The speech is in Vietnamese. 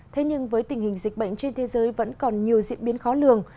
thế nhưng với tình hình dịch bệnh trên thế giới vẫn còn nhiều diễn biến khó lường